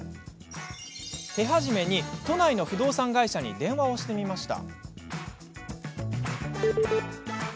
手始めに、都内の不動産会社に電話をしてみました。